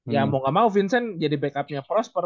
ya mau gak mau vincent jadi backupnya prosper